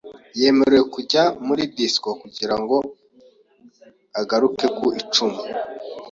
Yemerewe kujya muri disco kugira ngo agaruke ku icumi .